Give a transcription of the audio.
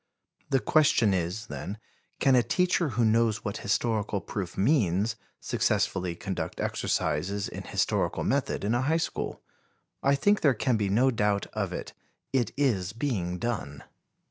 The question is, then, can a teacher who knows what historical proof means successfully conduct exercises in historical method in a high school? I think there can be no doubt of it. It is being done.